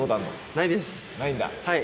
ないんだ。